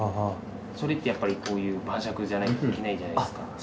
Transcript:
それってやっぱりこういう晩酌じゃないとできないじゃないですか。